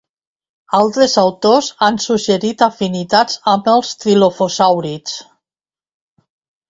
Altres autors han suggerit afinitats amb els trilofosàurids.